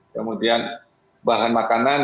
kemudian bahan makanan